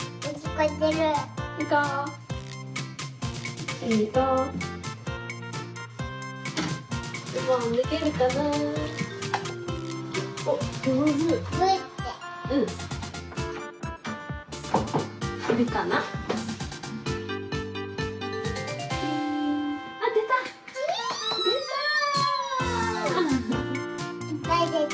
いっぱいでた。